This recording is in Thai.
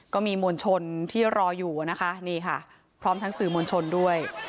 ก็มีมวลชนที่รออยู่นะคะนี่ค่ะพร้อมทั้งสื่อมวลชนด้วย